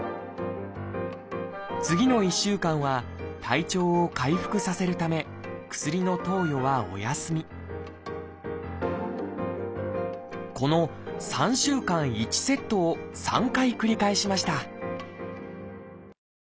次の１週間は体調を回復させるため薬の投与はお休みこの３週間１セットを３回繰り返しました